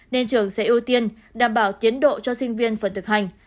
nên trường sẽ ưu tiên đảm bảo tiến độ cho sinh viên phần thực hành